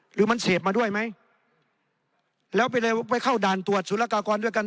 หรือมันเสพมาด้วยไหมแล้วไปเลยไปเข้าด่านตรวจสุรกากรด้วยกัน